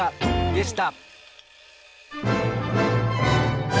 でした